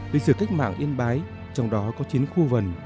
lịch sử cách mạng yên bái trong đó có chiến khu vần